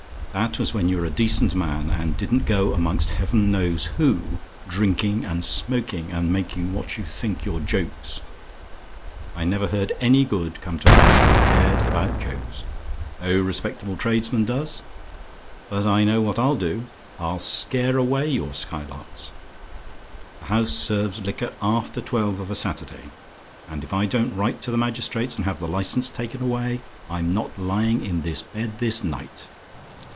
That was when you were a decent man, and didn't go amongst Heaven knows who, drinking and smoking, and making what you think your jokes. I never heard any good come to a man who cared about jokes. No respectable tradesman does. But I know what I'll do: I'll scare away your Skylarks. The house serves liquor after twelve of a Saturday; and if I don't write to the magistrates, and have the licence taken away, I'm not lying in this bed this night.